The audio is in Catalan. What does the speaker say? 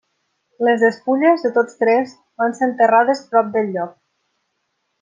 Les despulles de tots tres van ser enterrades prop del lloc.